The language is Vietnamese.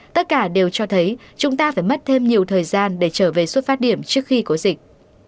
tất cả đều cho thấy chúng ta phải mất thêm nhiều thời gian để trở về xuất phát điểm trước khi có dịch